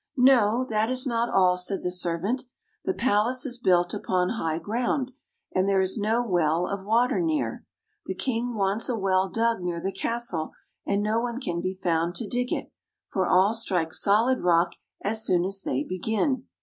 " No, that is not all," said the servant. " The palace is built upon high ground, and there is no well of water near. The ICing wants a well dug near the castle, and no one can be found to dig it, for all strike solid rock as soon as they begin."